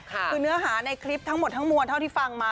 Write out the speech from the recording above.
คือเนื้อหาในคลิปทั้งหมดทั้งมวลเท่าที่ฟังมา